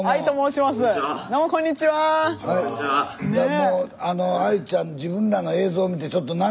もうＡＩちゃん自分らの映像見てちょっと涙。